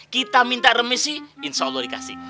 kita minta remisi insyaallah dikasih